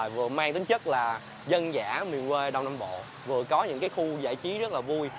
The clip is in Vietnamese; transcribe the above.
vừa mang tính chất là dân giả miền quê đông nam bộ vừa có những khu giải trí rất là vui